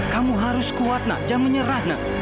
kamu harus kuat nak jam menyerah nak